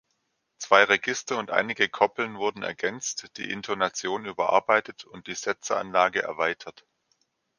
Zwei Register und einige Koppeln wurden ergänzt, die Intonation überarbeitet und die Setzeranlage erweitert.